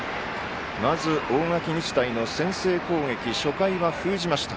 まず大垣日大の先制攻撃初回は封じました。